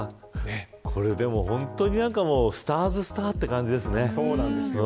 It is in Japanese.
本当に、スターズスターって感じですね。